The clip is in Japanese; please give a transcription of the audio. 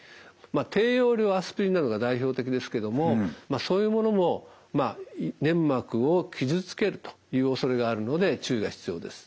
低用量アスピリンなどが代表的ですけれどもそういうものも粘膜を傷つけるというおそれがあるので注意が必要です。